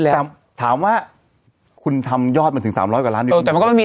แล้วแต่ถามว่าคุณทำยอดมันถึงสามร้อยกว่าล้านวิวโอ้ยแต่มันก็ไม่มี